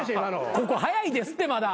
ここ早いですってまだ。